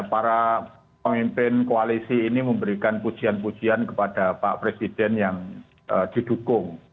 para pemimpin koalisi ini memberikan pujian pujian kepada pak presiden yang didukung